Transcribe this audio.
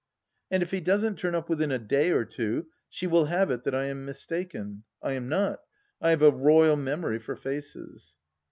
And if he doesn't turn up within a day or two she will have it that I am mistaken — I am not ; I have a royal memory for faces.